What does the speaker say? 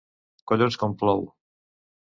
Collons com plou!